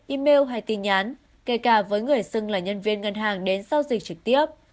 email hay tin nhắn kể cả với người xưng là nhân viên ngân hàng đến giao dịch trực tiếp